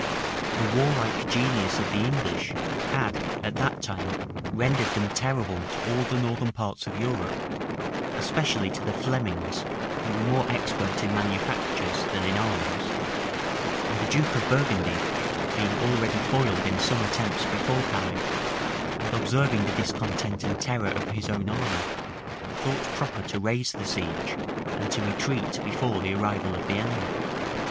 The warlike genius of the English had at that time rendered them terrible to all the northern parts of Europe; especially to the Flemings, who were more expert in manufactures than in arms; and the duke of Burgundy, being already foiled in some attempts before Calais, and observing the discontent and terror of his own army, thought proper to raise the siege, and to retreat before the arrival of the enemy.